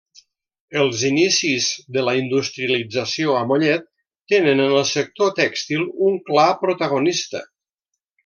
Els inicis de la industrialització a Mollet tenen en el sector tèxtil un clar protagonista.